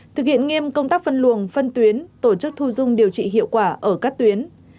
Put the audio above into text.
thực hiện nghiêm công tác phân luồng phân tuyến tổ chức thu dung điều trị hiệu quả ở các tuyến